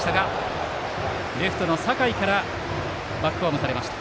レフトの酒井からバックホームされました。